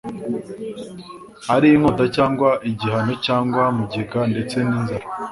ari inkota cyangwa igihano cyangwa mugiga ndetse ninzara